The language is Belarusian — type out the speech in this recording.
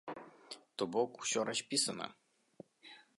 То бок усё распісана.